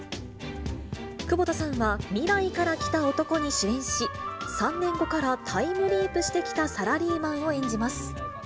窪田さんは、未来から来た男に主演し、３年後からタイムリープしてきたサラリーマンを演じます。